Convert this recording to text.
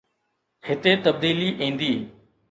هتي تبديلي ايندي.